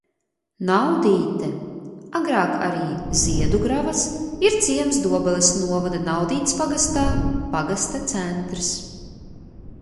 Naudīte, agrāk arī Ziedugravas, ir ciems Dobeles novada Naudītes pagastā, pagasta centrs.